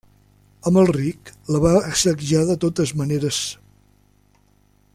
Amalric la va assetjar de totes maneres.